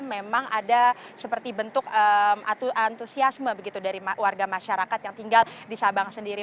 memang ada seperti bentuk antusiasme begitu dari warga masyarakat yang tinggal di sabang sendiri